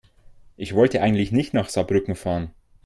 Ich wollte eigentlich nicht nach Saarbrücken fahren